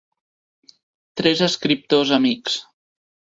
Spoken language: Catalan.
Tres escriptors amics.